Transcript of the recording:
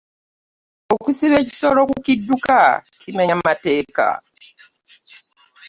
Okusiba ekisolo ku kidduka kimenya mateeka.